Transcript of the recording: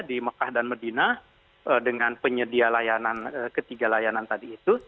di mekah dan medina dengan penyedia layanan ketiga layanan tadi itu